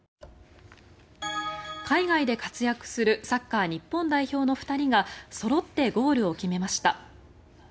海外で活躍するサッカー日本代表の２人がそろってゴールを決めました。